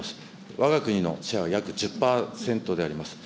わが国のシェアは約１０％であります。